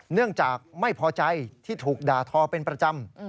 เนื่องจากไม่พอใจที่ถูกด่าทอเป็นประจำ